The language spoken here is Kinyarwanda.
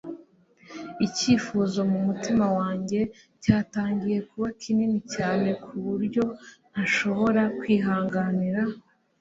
icyifuzo mu mutima wanjye cyatangiye kuba kinini cyane ku buryo ntashobora kwihanganira